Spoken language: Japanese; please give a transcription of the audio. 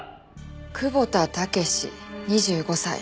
久保田武士２５歳。